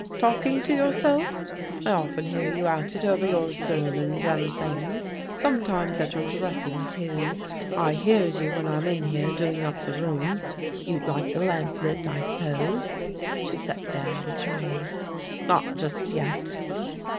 "Talking to yourself? I often hear you at it over your sermons and things; sometimes at your dressing, too; I hears you when I'm in here doing up the room. You'd like the lamp lit, I suppose?" She set down the tray. "Not just yet."